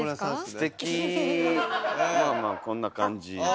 ステキまあまあこんな感じで。